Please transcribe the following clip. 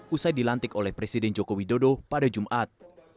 usai dilantik oleh presiden jokowi dodo pada jumat